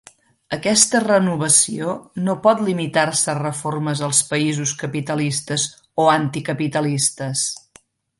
Aquesta renovació no pot limitar-se a reformes als països capitalistes o anticapitalistes;